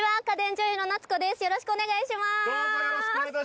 よろしくお願いします。